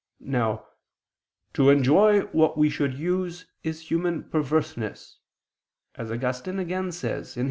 Now "to enjoy what we should use is human perverseness," as Augustine again says (Qq.